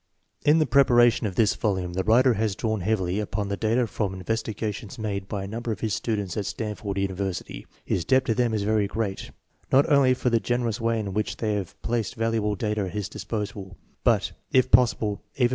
In the preparation of this volume the writer has drawn heavily upon the data from investigations made by a number of his students at Stanford University. His debt to them is very great, not only for the gener ous way in which they have placed valuable data at his disposal, but if possible even more for the loyalty 1 See Tennan, Lewis M.